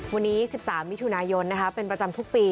วันนี้๑๓มิถุนายนเป็นประจำทุกปี